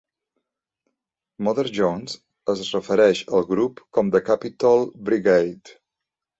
"Mother Jones" es refereix al grup com "The Capitol Brigade".